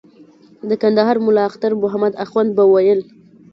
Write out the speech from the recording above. د کندهار ملا اختر محمد اخند به ویل.